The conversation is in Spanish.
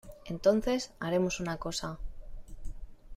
entonces, haremos una cosa.